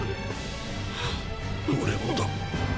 俺もだ。